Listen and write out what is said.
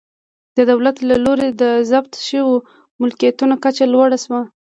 د دولت له لوري د ضبط شویو ملکیتونو کچه لوړه شوه